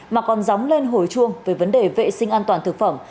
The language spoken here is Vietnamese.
mà còn dóng lên hồi chuông về vấn đề vệ sinh an toàn thực phẩm